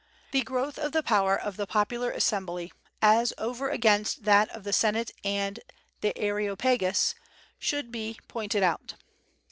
The growth of the power of the popular assembly as over against that of the senate and Areopagus should be pointed out.